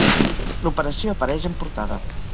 L'operació apareix en portada.